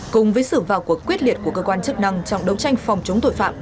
cùng với sự vào cuộc quyết liệt của cơ quan chức năng trong đấu tranh phòng chống tội phạm